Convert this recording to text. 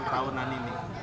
satu tahunan ini